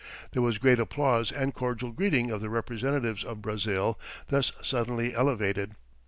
There was great applause and cordial greeting of the representatives of Brazil thus suddenly elevated.